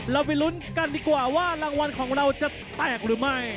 เราไปลุ้นกันดีกว่าว่ารางวัลของเราจะแตกหรือไม่